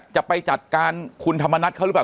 จะไปจัดการคุณธรรมนัฐเขาหรือเปล่า